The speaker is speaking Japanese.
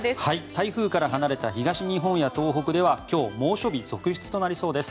台風から離れた東日本や東北では今日猛暑日続出となりそうです。